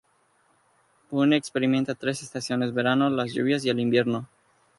Pune experimenta tres estaciones: verano, las lluvias y el invierno.